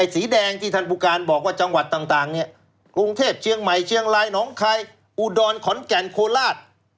สีแดงที่ท่านผู้การบอกว่าจังหวัดต่างกรุงเทพเชียงใหม่เชียงรายน้องคายอุดรขอนแก่นโคราช